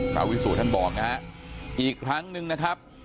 พระวิสุท่านบอกนะฮะอีกครั้งหนึ่งนะครับ